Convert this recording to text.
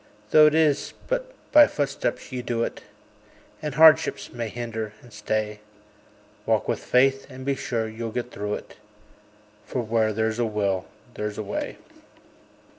Though it is but by footsteps ye do it, And hardships may hinder and stay; Walk with faith, and be sure you'll get through it; For "Where there's a will there's a way."